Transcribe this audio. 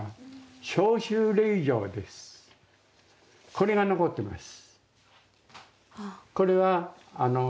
これが残ってます。